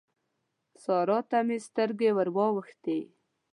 سارا ته مې سترګې ور واوښتې.